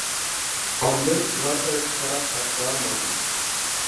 ئاندىن ئۇلار تەرەپكە قاراپ ئاستا ماڭدىم.